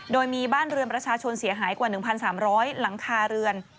โดยมีบ้านเรือนประชาชนเสียหายกว่า๑๓๐๐หลังคาเรือน